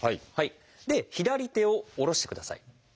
で左手を下ろしてください。